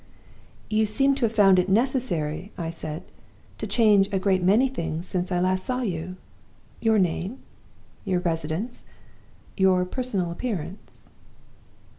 "'You seem to have found it necessary,' I said, 'to change a great many things since I last saw you? Your name, your residence, your personal appearance